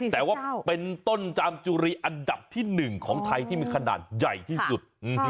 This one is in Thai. แต่ว่าเป็นต้นจามจุรีอันดับที่๑ของไทยที่มีขนาดใหญ่ที่สุด